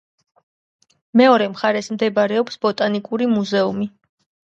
მეორე მხარეს მდებარეობს ბოტანიკური მუზეუმი.